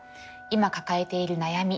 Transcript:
今抱えている悩み